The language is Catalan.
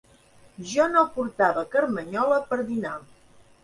Jo no portava carmanyola per dinar.